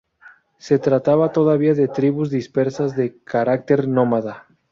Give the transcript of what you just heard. Se trataba todavía de tribus dispersas de carácter nómada.